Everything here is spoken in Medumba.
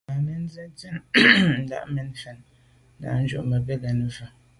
Bǎmén cɛ̌n tsjə́ŋ tà’ mɛ̀n fɛ̀n ndǎʼndjʉ̂ mə́ gə̀ lɛ̌n wú.